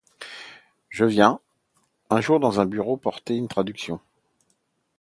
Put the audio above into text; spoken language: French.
Je viens, un jour, dans un bureau porter une traduction.